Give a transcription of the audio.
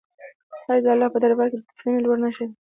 حج د الله په دربار کې د تسلیمۍ لوړه نښه ده.